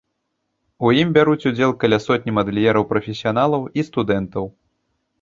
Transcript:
У ім бяруць удзел каля сотні мадэльераў-прафесіяналаў і студэнтаў.